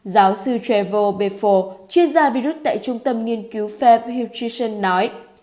giáo sư trevor beffle chuyên gia virus tại trung tâm nghiên cứu phép hiltrichen nói